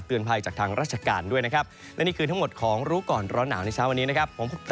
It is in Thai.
สวัสดีครับ